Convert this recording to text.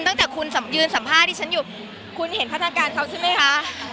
ตั้งแต่คุณยืนสัมภาษณ์ดิฉันอยู่คุณเห็นพัฒนาการเขาใช่ไหมคะ